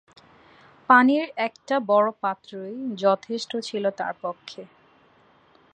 পানির একটা বড় পাত্রই যথেষ্ট ছিল তার পক্ষে।